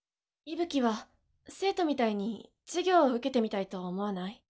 息吹は生徒みたいに授業を受けてみたいとは思わない？